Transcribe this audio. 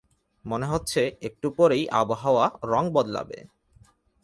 মনে হচ্ছে, একটু পরেই আবহাওয়া রঙ বদলাবে।